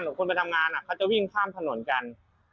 หรือคนประดำงานอ่ะเขาจะวิ่งข้ามถนนกัน